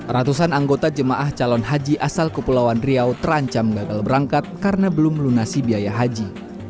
ratusan anggota jemaah calon haji asal kepulauan riau terancam gagal berangkat karena belum melunasi biaya haji